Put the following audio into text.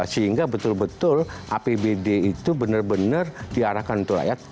sehingga betul betul apbd itu benar benar diarahkan untuk rakyat